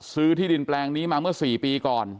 ที่ดินแปลงนี้มาเมื่อ๔ปีก่อน